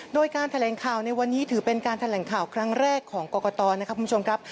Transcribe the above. โดยการแถลงข่าวในวันนี้ถือเป็นการแถลงข่าวครั้งแรกของกรกตนะครับคุณผู้ชมครับ